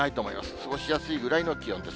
過ごしやすいぐらいの気温です。